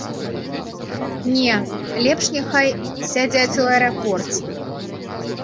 Не, лепш няхай сядзяць у аэрапорце!